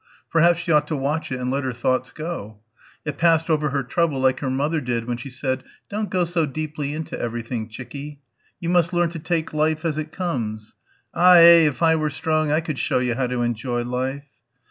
Perhaps she ought to watch it and let her thoughts go. It passed over her trouble like her mother did when she said, "Don't go so deeply into everything, chickie. You must learn to take life as it comes. Ah eh if I were strong I could show you how to enjoy life...."